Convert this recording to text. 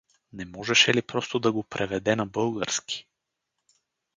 Не можеше ли просто да го преведе на български?